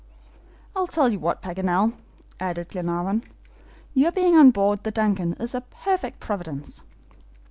"I tell you what, Paganel," added Glenarvan, "your being on board the DUNCAN is a perfect providence."